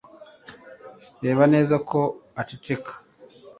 Reba neza ko uceceka.